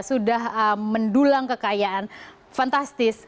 sudah mendulang kekayaan fantastis